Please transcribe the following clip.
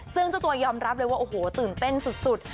ซึ่งเจ้าตัวยอมรับเลยว่าโอ้โหตื่นเต้นสุด